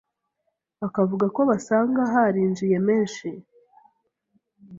akavuga ko basanga harinjiye menshi